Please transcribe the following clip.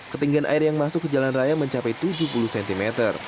ketinggian air yang masuk ke jalan raya mencapai tujuh puluh cm